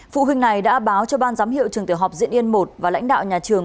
phụ huynh này đã báo cho ban giám hiệu trường tiểu học diễn yên một và lãnh đạo nhà trường